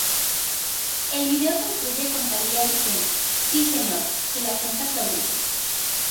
El video concluye con Thalía diciendo "Si señor" y la gente aplaudiendo.